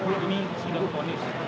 ini sudah ponis